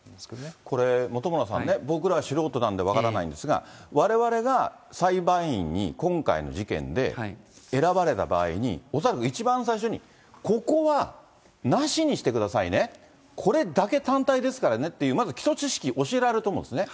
これ、本村さんね、僕ら素人なんで分からないんですが、われわれが、裁判員に今回の事件で選ばれた場合に、恐らく一番最初にここはなしにしてくださいね、これだけ単体ですからねっていう、まず基礎知識、教えられると思うんですね。